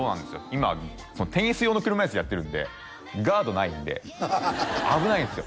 今テニス用の車いすでやってるんでガードないんで危ないんですよ